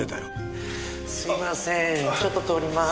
すいませんちょっと通ります。